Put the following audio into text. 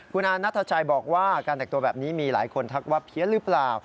คุณอานัทชัยบอกว่าการแต่งตัวแบบนี้มีหลายคนทักว่าเพี้ยนหรือเปล่า